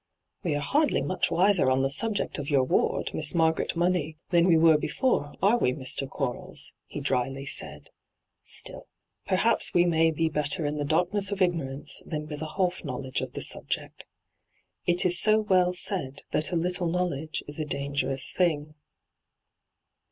' We are hardly much wiser on the subject of your ward, Miss Margaret Money, than we were before, are we, Mr. Qaarles V he dryly said. * Still, perhaps we may be better in the darkness of ignorance than with a half know ledge of the subject. It is so well said that a little knowledge is a dangerous thing.'